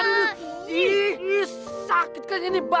aduh ih sakit kan ini bas dibas